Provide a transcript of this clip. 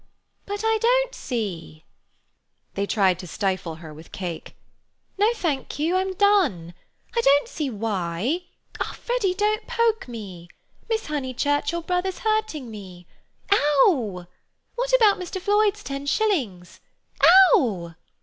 "But I don't see—" They tried to stifle her with cake. "No, thank you. I'm done. I don't see why—Freddy, don't poke me. Miss Honeychurch, your brother's hurting me. Ow! What about Mr. Floyd's ten shillings? Ow!